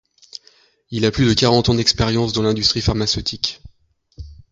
Il a plus de quarante ans d'expérience dans l'industrie pharmaceutique.